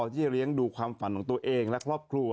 ที่เลี้ยงดูความฝันของตัวเองและครอบครัว